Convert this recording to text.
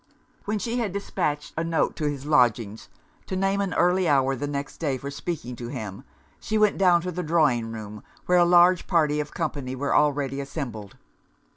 When she had dispatched a note to his lodgings, to name an early hour the next day for speaking to him, she went down into the drawing room, where a large party of company were already assembled.